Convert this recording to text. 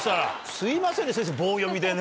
すいませんね先生棒読みでね。